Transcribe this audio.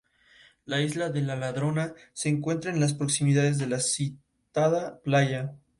La Isla de la Ladrona se encuentra en las proximidades de la citada playa.